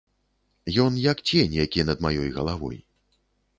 Ён як цень, які над маёй галавой.